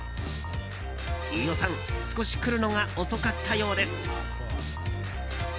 飯尾さん、少し来るのが遅かったようです。